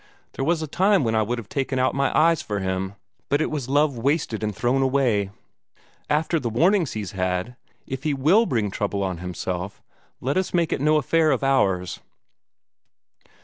There was a time when I would have taken out my eyes for him, but it was love wasted and thrown away. After the warnings he's had, if he WILL bring trouble on himself, let's make it no affair of ours."